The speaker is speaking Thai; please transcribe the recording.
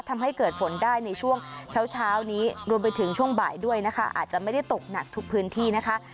ทำให้เกิดฝนได้ในช่วงเช้าเช้านี้รวมไปถึงช่วงบ่ายด้วยนะคะอาจจะไม่ได้ตกหนักทุกพื้นที่นะคะ